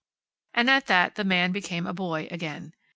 And at that the man became a boy again.